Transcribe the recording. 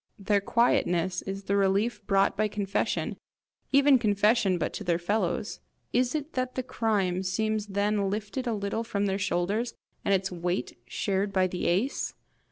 Their quietness is the relief brought by confession even confession but to their fellows. Is it that the crime seems then lifted a little from their shoulders, and its weight shared by the ace?